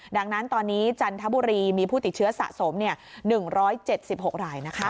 ดังนั้นตอนนี้จันทบุรีมีผู้ติดเชื้อสะสม๑๗๖ราย